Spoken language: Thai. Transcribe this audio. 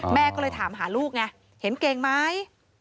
แม่ก็เลยถามหาลูกไงเห็นเก่งไหม